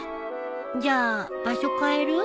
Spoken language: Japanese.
じゃあ場所変える？